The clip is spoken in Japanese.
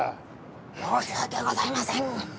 申し訳ございません！